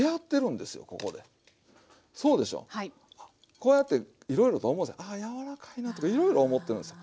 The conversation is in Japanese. こうやっていろいろと思ってあ柔らかいなとかいろいろ思ってるんですよ。